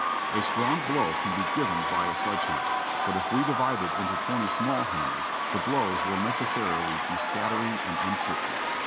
A strong blow can be given by a sledge hammer, but if we divide it into twenty small hammers, the blows will necessarily be scattering and un certain.